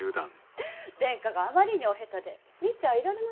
殿下があまりにお下手で見ちゃいられませんで。